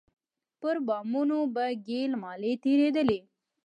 پر بامونو به ګيل مالې تېرېدلې.